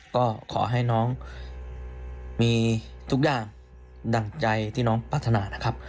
ก็ขอให้น้องมีทุกอย่างดั่งใจที่น้องพัฒนานะครับ